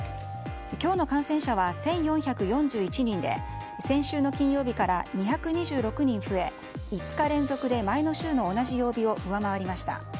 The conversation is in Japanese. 今日の感染者は１４４１人で先週の金曜日から２２６人増え５日連続で前の週の同じ曜日を上回りました。